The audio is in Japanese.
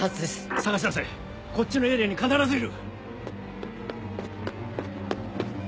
捜し出せこっちのエリアに必ずいる！